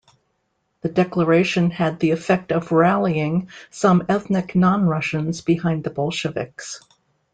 The declaration had the effect of rallying some ethnic non-Russians behind the Bolsheviks.